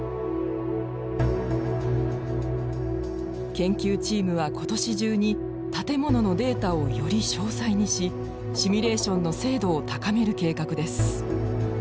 研究チームは今年中に建物のデータをより詳細にしシミュレーションの精度を高める計画です。